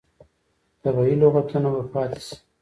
طبیعي لغتونه به پاتې شي.